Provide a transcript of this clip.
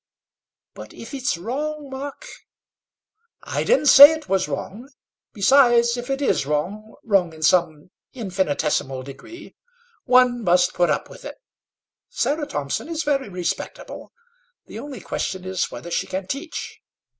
"But if it's wrong, Mark?" "I didn't say it was wrong. Besides, if it is wrong, wrong in some infinitesimal degree, one must put up with it. Sarah Thompson is very respectable; the only question is whether she can teach."